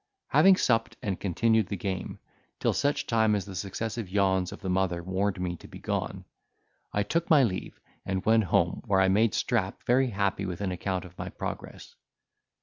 Having supped, and continued the game, till such time as the successive yawns of the mother warned me to be gone, I took my leave, and went home, where I made Strap very happy with an account of my progress.